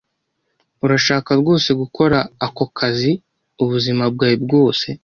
Urashaka rwose gukora aka kazi ubuzima bwawe bwose?